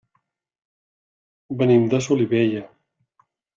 Venim de Solivella.